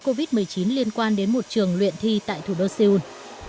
ba mươi ca mắc mới covid một mươi chín liên quan đến một trường luyện thi tại thủ đô seoul